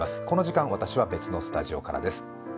この時間、私は別のスタジオからです。